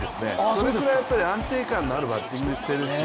そのくらい安定感のあるバッティングをしているし